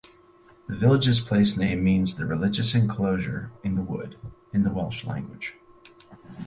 The village's placename means the 'religious enclosure in the wood' in the Welsh language.